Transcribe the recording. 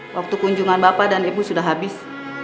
waktu kunjungan bapak dan ibu sudah habis